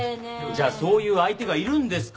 じゃあそういう相手がいるんですか？